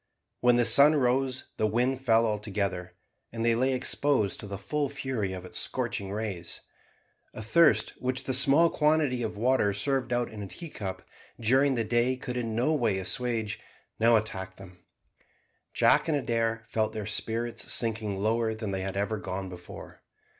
When the sun rose the wind fell altogether, and they lay exposed to the full fury of its scorching rays. A thirst, which the small quantity of water served out in a teacup during the day could in no way assuage, now attacked them. Jack and Adair felt their spirits sinking lower than they had ever gone before.